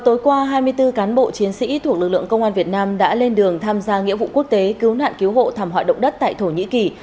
tối qua hai mươi bốn cán bộ chiến sĩ thuộc lực lượng công an việt nam đã lên đường tham gia nghĩa vụ quốc tế cứu nạn cứu hộ thảm họa động đất tại thổ nhĩ kỳ